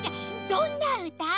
どんなうた？